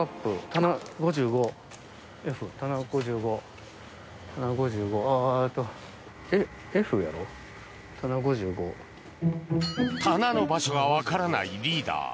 棚の場所が分からないリーダー。